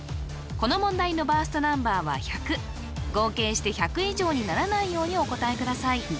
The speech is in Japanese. この問題のバーストナンバーは１００合計して１００以上にならないようにお答えください